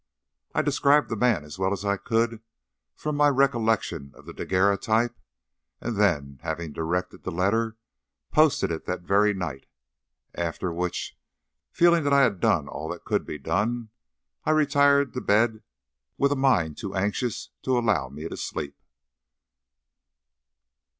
I described the man as well as I could from my recollection of the daguerreotype, and then, having directed the letter, posted it that very night, after which, feeling that I had done all that could be done, I retired to bed, with a mind too anxious to allow me to sleep.